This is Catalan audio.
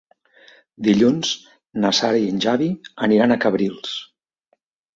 Dilluns na Sara i en Xavi aniran a Cabrils.